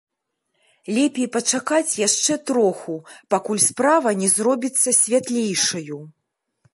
Лепей пачакаць яшчэ троху, пакуль справа не зробіцца святлейшаю.